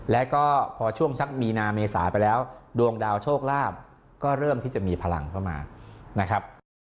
แล้วก็พอช่วงสักมีนาเมษาไปแล้วดวงดาวโชคลาภก็เริ่มที่จะมีพลังเข้ามานะครับ